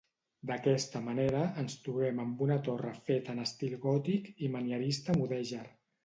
D'aquesta manera, ens trobem amb una torre feta en estil gòtic i manierista mudèjar.